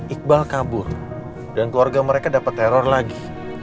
iqbal kabur dan keluarga mereka dapat teror lagi